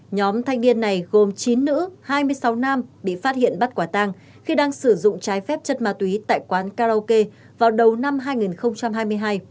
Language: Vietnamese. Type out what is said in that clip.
nhóm thanh niên này gồm chín nữ hai mươi sáu nam bị phát hiện bắt quả tang khi đang sử dụng trái phép chất ma túy tại quán karaoke vào đầu năm hai nghìn hai mươi hai